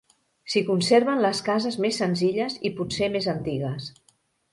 S'hi conserven les cases més senzilles i potser més antigues.